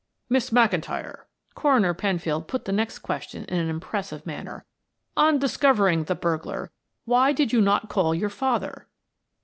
"Miss McIntyre?" Coroner Penfield put the next question in an impressive manner. "On discovering the burglar why did you not call your father?"